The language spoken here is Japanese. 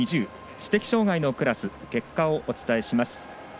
知的障がいのクラス結果をお伝えします。